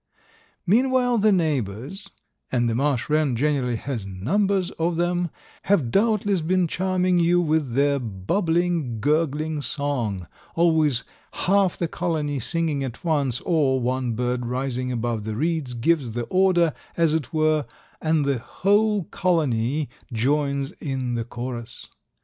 Meanwhile the "neighbors," and the marsh wren generally has numbers of them, have doubtless been charming you with their bubbling, gurgling song, always half the colony singing at once, or, one bird rising above the reeds gives the order, as it were, and the whole colony joins in the chorus.